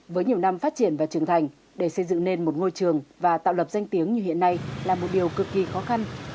với nhiều năm phát triển và trưởng thành để xây dựng nên một ngôi trường và tạo lập danh tiếng như hiện nay là một điều cực kỳ khó khăn